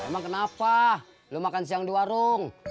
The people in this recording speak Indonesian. emang kenapa lo makan siang di warung